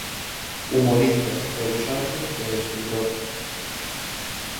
Humorista, debuxante e escritor.